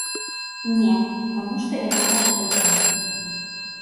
Не, таму што яна пашкоджана.